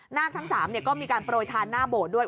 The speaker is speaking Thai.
ทั้ง๓ก็มีการโปรยทานหน้าโบสถ์ด้วย